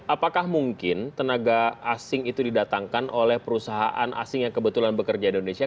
apakah mungkin tenaga asing itu didatangkan oleh perusahaan asing yang kebetulan bekerja di indonesia